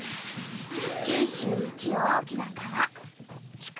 九州一大きな川「筑後川」。